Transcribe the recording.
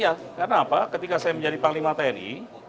iya karena apa ketika saya menjadi panglima tni